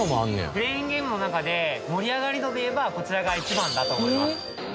クレーンゲームの中で盛り上がり度でいえばこちらが１番だと思います。